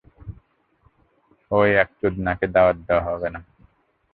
অই এক চোদনাকে দাওয়াত দেওয়া হবে না।